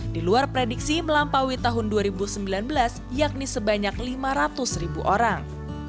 di luar prediksi melampaui tahun dua ribu sembilan belas yakni sebanyak lima ratus ribu orang